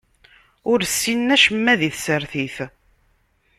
Ur ssinen acemma di tsertit.